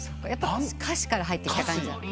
やっぱ歌詞から入ってきた感じ？